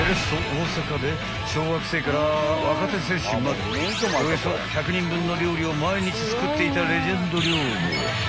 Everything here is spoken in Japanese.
大阪で小学生から若手選手までおよそ１００人分の料理を毎日作っていた］